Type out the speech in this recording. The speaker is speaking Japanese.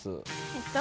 えっと